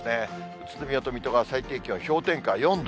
宇都宮と水戸が最低気温氷点下４度。